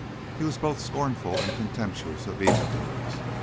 He was both scornful and contemptuous of evildoers.